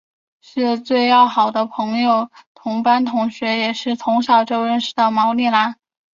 最要好的朋友是同班同学也是从小就认识的毛利兰。